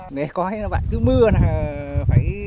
ngày cõi cứ mưa